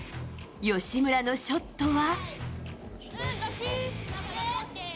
吉村のショットは。